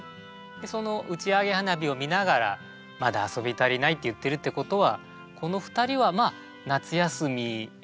その打ち上げ花火を見ながら「まだ遊び足りない」って言ってるってことはこの２人はまあ夏休みを過ごしている子ども